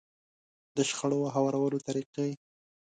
د شخړو هوارولو طريقې.